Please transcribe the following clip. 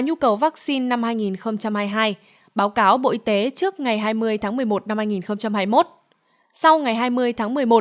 nhu cầu vaccine năm hai nghìn hai mươi hai báo cáo bộ y tế trước ngày hai mươi tháng một mươi một năm hai nghìn hai mươi một sau ngày hai mươi tháng một mươi một